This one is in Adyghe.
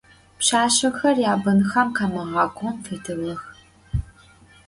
Пшъашъэхэр ябынхэм къамыгъэкӏон фитыгъэх.